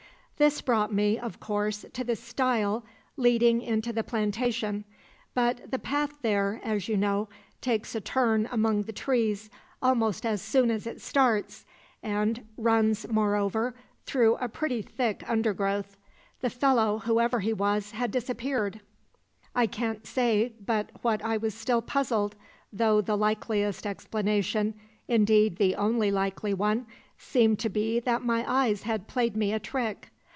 This brought me, of course, to the stile leading into the plantation; but the path there, as you know, takes a turn among the trees almost as soon as it starts, and runs, moreover, through a pretty thick undergrowth. The fellow, whoever he was, had disappeared. "I can't say but what I was still puzzled, though the likeliest explanation indeed, the only likely one seemed to be that my eyes had played me a trick.